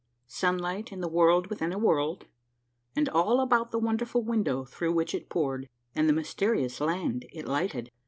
— SUNLIGHT IN THE WORLD WITHIN A WORLD, AND ALL ABOUT THE WONDERFUL WIN DOW THROUGH WHICH IT POURED, AND THE MYSTERIOUS LAND IT LIGHTED.